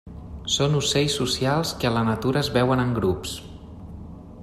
Són ocells socials que a la natura es veuen en grups.